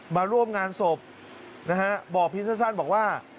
มาร่วมงานศพนะฮะบอกพิษันบอกว่า